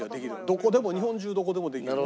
どこでも日本中どこでもできる。